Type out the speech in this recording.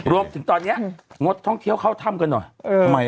รวมถึงตอนนี้งดท่องเที่ยวเข้าถ้ำกันหน่อย